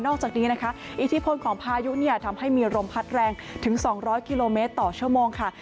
จากนี้นะคะอิทธิพลของพายุเนี่ยทำให้มีลมพัดแรงถึง๒๐๐กิโลเมตรต่อชั่วโมงค่ะ